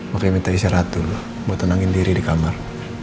makanya minta istirahat dulu buat tenangin diri di kamar